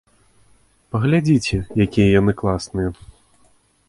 Паглядзіце, якія яны класныя!